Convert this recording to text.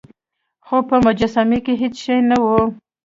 خو په مجسمه کې هیڅ شی نه و.